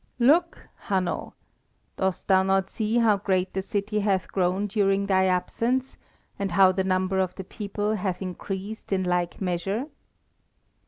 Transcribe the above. "Look, Hanno! Dost thou not see how great the city hath grown during thy absence, and how the number of the people hath increased in like measure?"